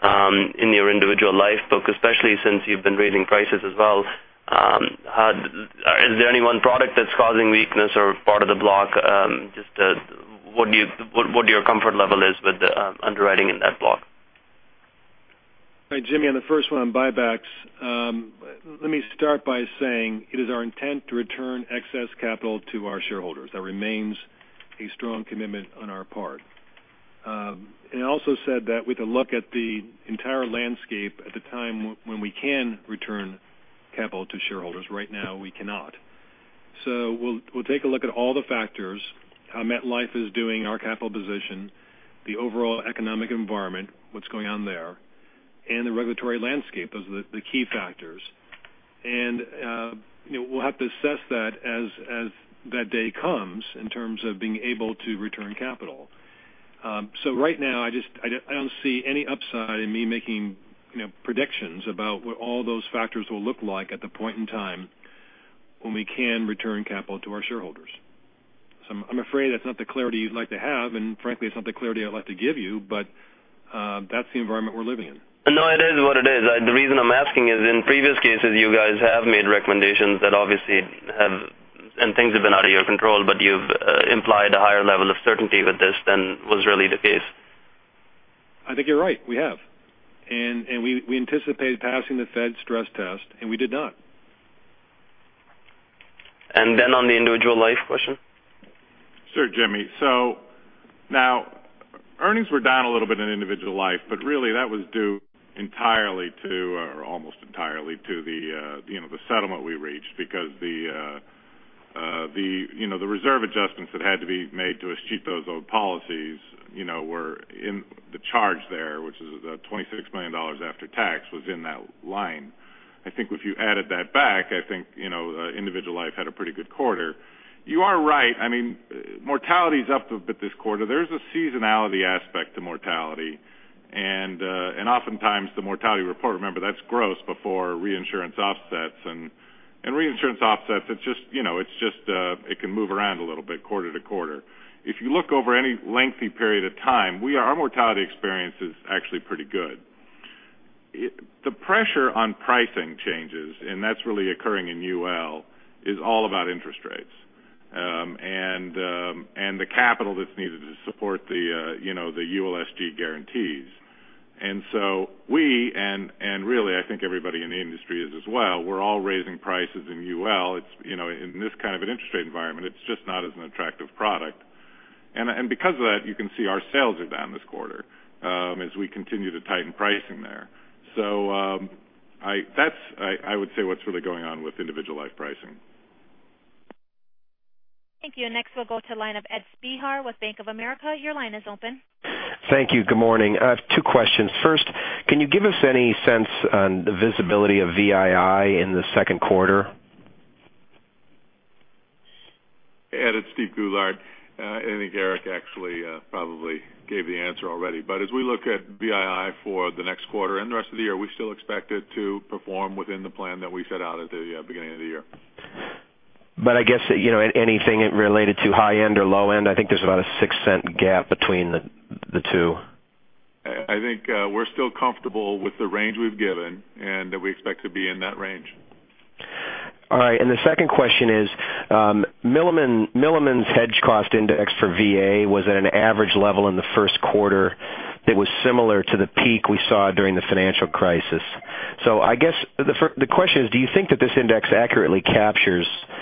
in your individual life book, especially since you've been raising prices as well. Is there any one product that's causing weakness or part of the block? Just what your comfort level is with the underwriting in that block. Jimmy, on the first one on buybacks, let me start by saying it is our intent to return excess capital to our shareholders. That remains a strong commitment on our part. I also said that we can look at the entire landscape at the time when we can return capital to shareholders. Right now, we cannot. We'll take a look at all the factors, how MetLife is doing in our capital position, the overall economic environment, what's going on there, and the regulatory landscape as the key factors. We'll have to assess that as that day comes in terms of being able to return capital. Right now, I don't see any upside in me making predictions about what all those factors will look like at the point in time when we can return capital to our shareholders. I'm afraid that's not the clarity you'd like to have, and frankly, it's not the clarity I'd like to give you, but that's the environment we're living in. No, it is what it is. The reason I'm asking is in previous cases, you guys have made recommendations that obviously have, and things have been out of your control, but you've implied a higher level of certainty with this than was really the case. I think you're right. We have. We anticipated passing the Fed stress test, and we did not. On the individual life question? Sure, Jimmy. Now earnings were down a little bit in individual life, but really that was due entirely to, or almost entirely to the settlement we reached because the reserve adjustments that had to be made to achieve those old policies were in the charge there, which is $26 million after tax was in that line. I think if you added that back, I think individual life had a pretty good quarter. You are right. Mortality is up a bit this quarter. There is a seasonality aspect to mortality, oftentimes the mortality report, remember, that's gross before reinsurance offsets. Reinsurance offsets, it can move around a little bit quarter to quarter. If you look over any lengthy period of time, our mortality experience is actually pretty good. The pressure on pricing changes, and that's really occurring in UL, is all about interest rates, and the capital that's needed to support the ULSG guarantees. We, and really, I think everybody in the industry is as well, we're all raising prices in UL. In this kind of an interest rate environment, it's just not as an attractive product. Because of that, you can see our sales are down this quarter as we continue to tighten pricing there. That's, I would say, what's really going on with individual life pricing. Thank you. Next, we'll go to the line of Ed Spehar with Bank of America. Your line is open. Thank you. Good morning. I have two questions. First, can you give us any sense on the visibility of VII in the second quarter? Ed, it's Steve Goulart. I think Eric actually probably gave the answer already. As we look at VII for the next quarter and the rest of the year, we still expect it to perform within the plan that we set out at the beginning of the year. I guess, anything related to high end or low end, I think there's about a $0.06 gap between the two. I think we're still comfortable with the range we've given, and that we expect to be in that range. All right. The second question is, Milliman Hedge Cost Index for VA was at an average level in the first quarter that was similar to the peak we saw during the financial crisis. I guess, the question is, do you think that this index accurately captures the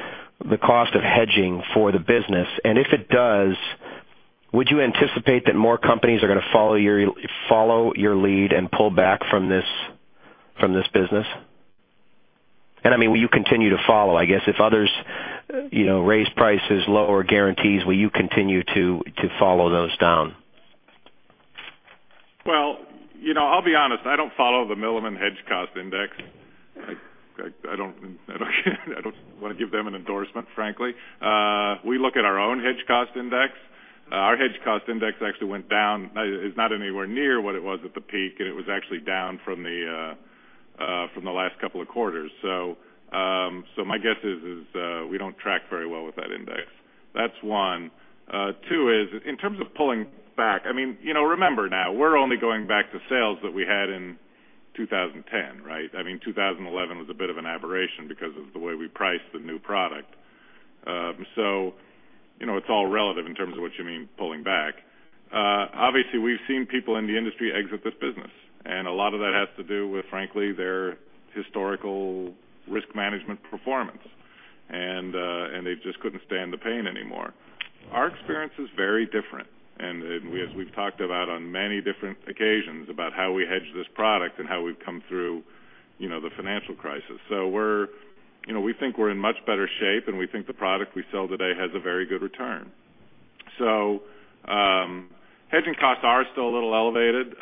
cost of hedging for the business? If it does, would you anticipate that more companies are going to follow your lead and pull back from this business? Will you continue to follow, I guess, if others raise prices, lower guarantees, will you continue to follow those down? Well, I'll be honest, I don't follow the Milliman Hedge Cost Index. I don't want to give them an endorsement, frankly. We look at our own Hedge Cost Index. Our Hedge Cost Index actually went down. It's not anywhere near what it was at the peak, and it was actually down from the last couple of quarters. My guess is we don't track very well with that index. That's one. Two is, in terms of pulling back, remember now, we're only going back to sales that we had in 2010, right? 2011 was a bit of an aberration because of the way we priced the new product. It's all relative in terms of what you mean, pulling back. Obviously, we've seen people in the industry exit this business, and a lot of that has to do with, frankly, their historical risk management performance. They just couldn't stand the pain anymore. Our experience is very different. As we've talked about on many different occasions about how we hedge this product and how we've come through the financial crisis. We think we're in much better shape, and we think the product we sell today has a very good return. Hedging costs are still a little elevated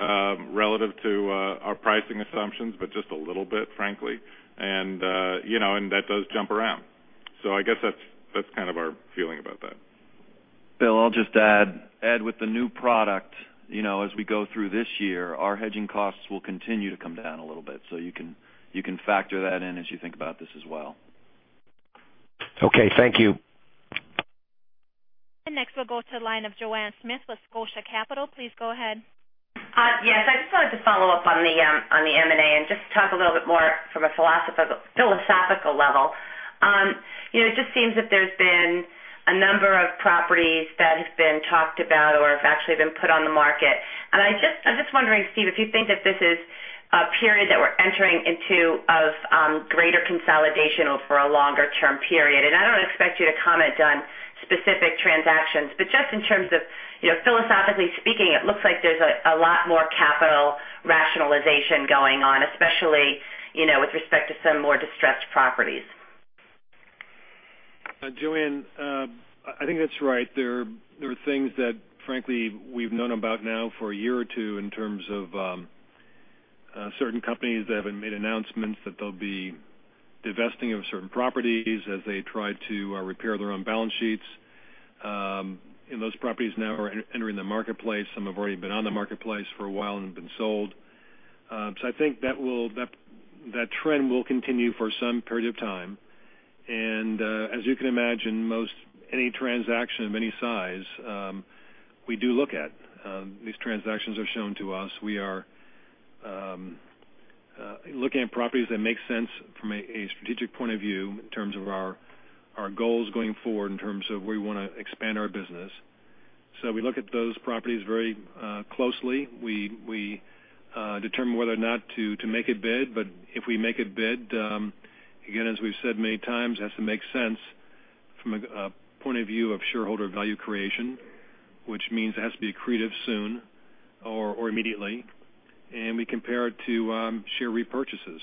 relative to our pricing assumptions, but just a little bit, frankly. That does jump around. I guess that's kind of our feeling about that. Bill, I'll just add, with the new product, as we go through this year, our hedging costs will continue to come down a little bit. You can factor that in as you think about this as well. Okay. Thank you. Next, we'll go to the line of Joanne Smith with Scotia Capital. Please go ahead. Yes. I just wanted to follow up on the M&A, and just talk a little bit more from a philosophical level. It just seems that there's been a number of properties that have been talked about or have actually been put on the market. I'm just wondering, Steve, if you think that this is a period that we're entering into of greater consolidation over a longer term period. I don't expect you to comment on specific transactions, but just in terms of philosophically speaking, it looks like there's a lot more capital rationalization going on, especially with respect to some more distressed properties. Joanne, I think that's right. There are things that frankly we've known about now for a year or two in terms of certain companies that have made announcements that they'll be divesting of certain properties as they try to repair their own balance sheets. Those properties now are entering the marketplace. Some have already been on the marketplace for a while and been sold. I think that trend will continue for some period of time. As you can imagine, any transaction of any size, we do look at. These transactions are shown to us. We are looking at properties that make sense from a strategic point of view in terms of our goals going forward, in terms of where we want to expand our business. We look at those properties very closely. We determine whether or not to make a bid. If we make a bid, again, as we've said many times, it has to make sense from a point of view of shareholder value creation, which means it has to be accretive soon or immediately, and we compare it to share repurchases.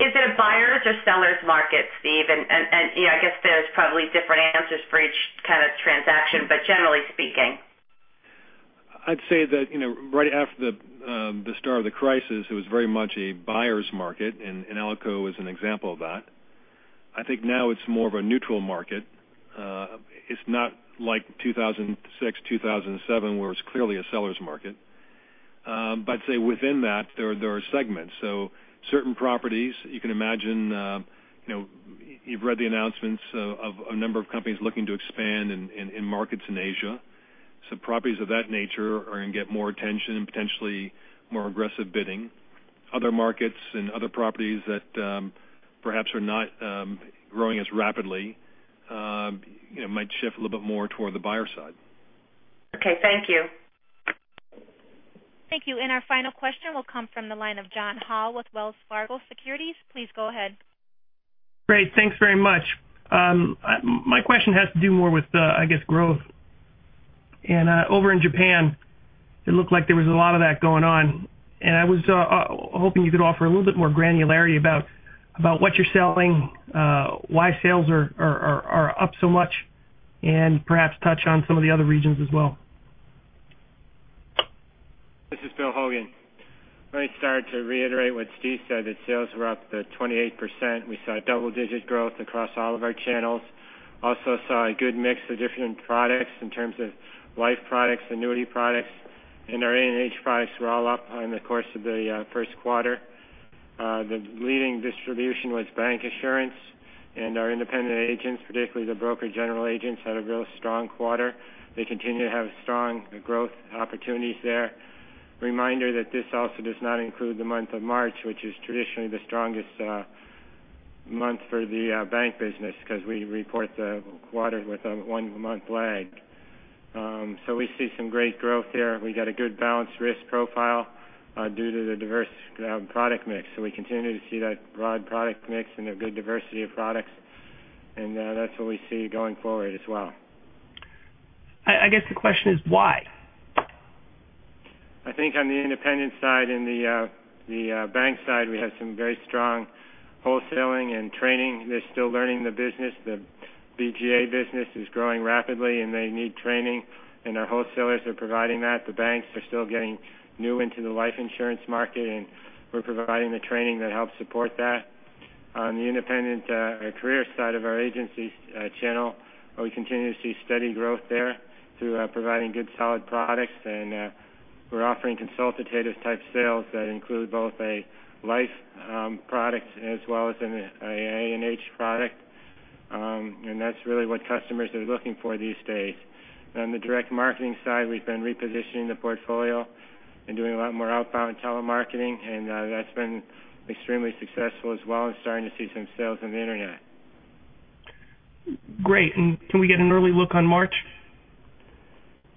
Is it a buyer's or seller's market, Steve? I guess there's probably different answers for each kind of transaction, but generally speaking. I'd say that right after the start of the crisis, it was very much a buyer's market, and ALICO is an example of that. I think now it's more of a neutral market. It's not like 2006, 2007, where it was clearly a seller's market. I'd say within that, there are segments. Certain properties, you can imagine. You've read the announcements of a number of companies looking to expand in markets in Asia. Properties of that nature are going to get more attention and potentially more aggressive bidding. Other markets and other properties that perhaps are not growing as rapidly might shift a little bit more toward the buyer side. Okay, thank you. Thank you. Our final question will come from the line of John Hall with Wells Fargo Securities. Please go ahead. Great. Thanks very much. My question has to do more with, I guess, growth. Over in Japan, it looked like there was a lot of that going on, and I was hoping you could offer a little bit more granularity about what you're selling, why sales are up so much, and perhaps touch on some of the other regions as well. This is Bill Hogan. Let me start to reiterate what Steve said, that sales were up to 28%. We saw double-digit growth across all of our channels. Also saw a good mix of different products in terms of life products, annuity products, and our A&H products were all up in the course of the first quarter. The leading distribution was bancassurance, and our independent agents, particularly the broker general agents, had a real strong quarter. They continue to have strong growth opportunities there. Reminder that this also does not include the month of March, which is traditionally the strongest month for the bank business because we report the quarter with a one-month lag. We see some great growth here. We got a good balanced risk profile due to the diverse product mix. We continue to see that broad product mix and a good diversity of products, and that's what we see going forward as well. I guess the question is, why? On the independent side and the bank side, we have some very strong wholesaling and training. They're still learning the business. The BGA business is growing rapidly and they need training, and our wholesalers are providing that. The banks are still getting new into the life insurance market, and we're providing the training that helps support that. On the independent career side of our agency channel, we continue to see steady growth there through providing good, solid products. And we're offering consultative type sales that include both a life product as well as an A&H product. And that's really what customers are looking for these days. On the direct marketing side, we've been repositioning the portfolio and doing a lot more outbound telemarketing, and that's been extremely successful as well, and starting to see some sales on the Internet. Can we get an early look on March?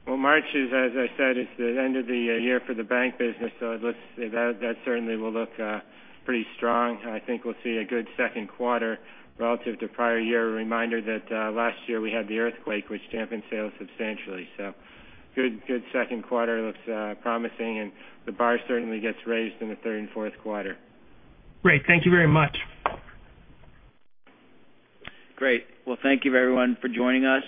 Well, March is, as I said, it's the end of the year for the bank business. That certainly will look pretty strong. I think we'll see a good second quarter relative to prior year. A reminder that last year we had the earthquake, which dampened sales substantially. Good second quarter looks promising and the bar certainly gets raised in the third and fourth quarter. Great. Thank you very much. Great. Well, thank you everyone for joining us.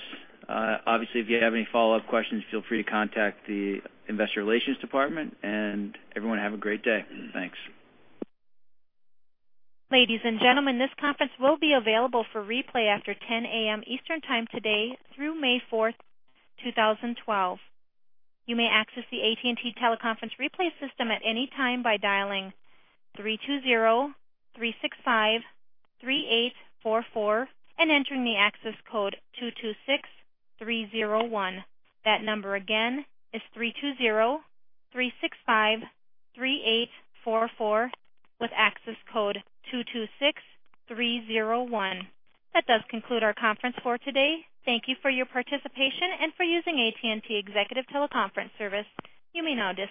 Obviously, if you have any follow-up questions, feel free to contact the investor relations department. Everyone, have a great day. Thanks. Ladies and gentlemen, this conference will be available for replay after 10:00 A.M. Eastern time today through May fourth, 2012. You may access the AT&T teleconference replay system at any time by dialing three two zero three six five three eight four four and entering the access code two two six three zero one. That number again is three two zero three six five three eight four four with access code two two six three zero one. That does conclude our conference for today. Thank you for your participation and for using AT&T executive teleconference service. You may now disconnect.